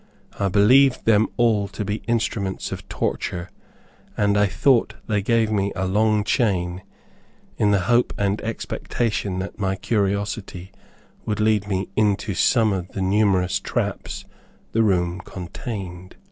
I believed them all to be instruments of torture, and I thought they gave me a long chain in the hope and expectation that my curiosity would lead me into some of the numerous traps the room contained.